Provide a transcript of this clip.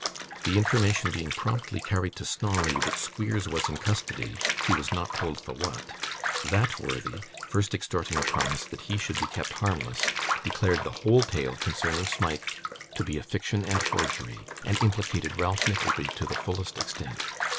The information being promptly carried to Snawley that Squeers was in custody he was not told for what that worthy, first extorting a promise that he should be kept harmless, declared the whole tale concerning Smike to be a fiction and forgery, and implicated Ralph Nickleby to the fullest extent.